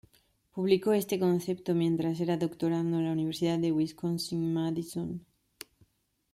Publicó este concepto mientras era doctorando en la Universidad de Wisconsin-Madison.